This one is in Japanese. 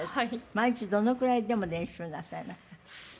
毎日どのくらいでも練習なさいました？